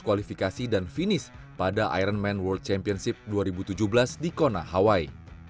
kualifikasi dan finish pada iron man world championship dua ribu tujuh belas di kona hawaii